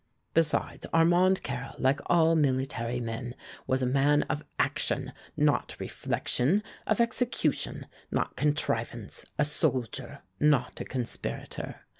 Besides, Armand Carrel, like all military men, was a man of action, not reflection of execution, not contrivance a soldier, not a conspirator.